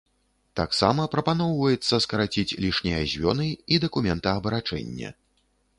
Таксама прапаноўваецца скараціць лішнія звёны і дакументаабарачэнне.